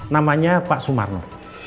namanya pak sumarno